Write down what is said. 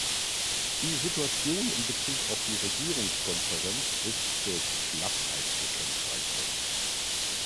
Die Situation in bezug auf die Regierungskonferenz ist durch Schlaffheit gekennzeichnet.